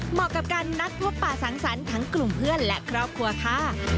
เหมาะกับการนัดพบป่าสังสรรค์ทั้งกลุ่มเพื่อนและครอบครัวค่ะ